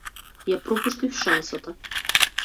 Ја пропуштив шансата.